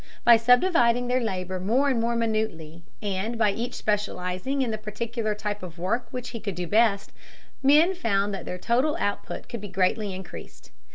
By subdividing their labor more and more minutely, and by each specializing in the particular type of work which he could do best, men found that their total output could be greatly increased.